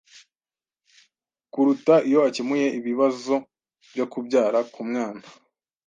kuruta iyo akemuye ibibazo byo kubyara k'Umwana